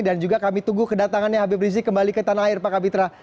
dan juga kami tunggu kedatangannya habib rizik kembali ke tanah air pak kapitra